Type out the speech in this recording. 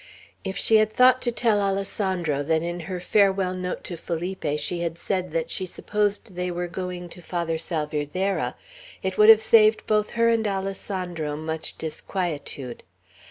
If she had thought to tell Alessandro that in her farewell note to Felipe she had said that she supposed they were going to Father Salvierderra, it would have saved both her and Alessandro much disquietude.